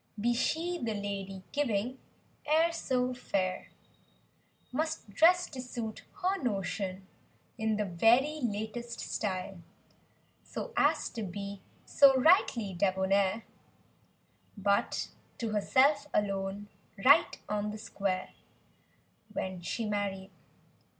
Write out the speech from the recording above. Be she, the lady giving, e'er so fair; Must dress to suit her notion, in the very latest style. So as to be so rightly debonair But to herself alone, right on the square— When she married.